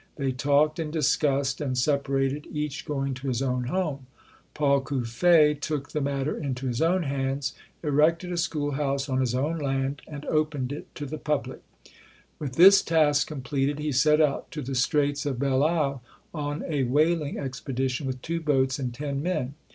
They talked and discussed and separated, each going to his own home. Paul Cuffe took the mat ter into his own hands, erected a schoolhouse on his own land and opened it to the public. 256 ] UNSUNG HEROES With this task completed, he set out to the Straits of Belle Isle on a whaling expedition, with two boats and ten men.